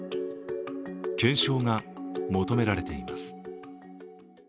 検証が求められています。